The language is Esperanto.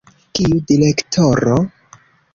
Kiu direktoro?